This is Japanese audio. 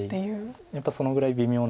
やっぱそのぐらい微妙な形勢。